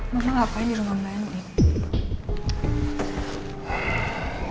mama apa aja di rumah mama ya